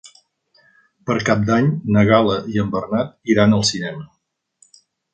Per Cap d'Any na Gal·la i en Bernat iran al cinema.